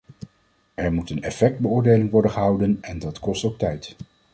Er moet een effectbeoordeling worden gehouden en dat kost ook tijd.